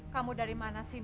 kamu dari mana sih